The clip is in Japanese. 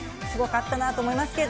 すごかったなと思います。